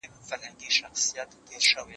ما د سبا لپاره د نوي لغتونو يادونه کړې ده..